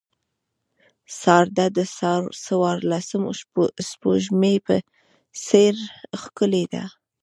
سارده د څوارلسم سپوږمۍ په څېر ښکلې ده.